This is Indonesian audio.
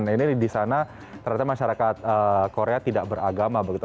nah ini di sana ternyata masyarakat korea tidak beragama begitu